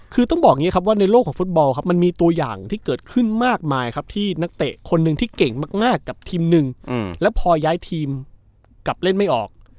คือต้องบอกอย่างนี้ครับว่าในโลกของฟุตบอลครับมันมีตัวอย่างที่เกิดขึ้นมากมายครับที่นักเตะคนหนึ่งที่เก่งมากกับทีมหนึ่งแล้วพอย้ายทีมกลับเล่นไม่ออก